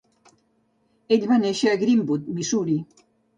Ell va néixer a Greenwood, Missouri.